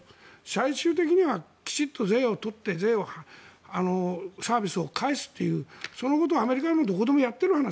最終的には、きちんと税を取ってサービスを返すというそのことはアメリカでもどこでもやってる話。